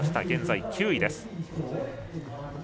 現在、９位です。